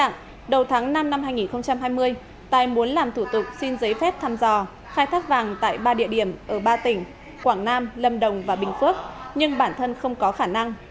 tài đầu tháng năm năm hai nghìn hai mươi tài muốn làm thủ tục xin giấy phép thăm dò khai thác vàng tại ba địa điểm ở ba tỉnh quảng nam lâm đồng và bình phước nhưng bản thân không có khả năng